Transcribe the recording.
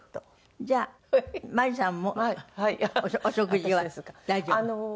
じゃあまりさんもお食事は大丈夫？